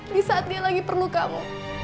di saat dia lagi perlu kamu